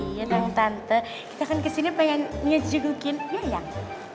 iya dong tante kita kan kesini pengen ngejegukin yayang